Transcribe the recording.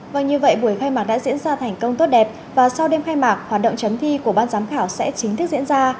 vâng như vậy buổi khai mạc đã diễn ra thành công tốt đẹp và sau đêm khai mạc hoạt động chấm thi của ban giám khảo sẽ chính thức diễn ra